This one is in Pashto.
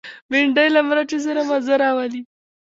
بېنډۍ له مرچو سره مزه راولي